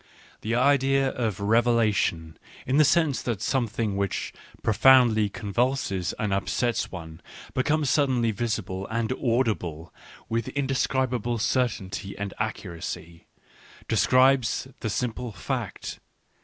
The idea of revelation, in the sense that something which profoundly convulses and upsets one becomes suddenly visible and audible with inde scribable certainty and accuracy — describes the simple fact.